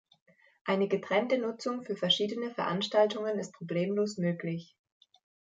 Eine getrennte Nutzung für verschiedene Veranstaltungen ist problemlos möglich.